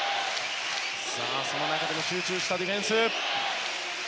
その中でも集中したディフェンス。